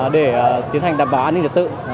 để tiến hành đảm bảo an ninh đặc tự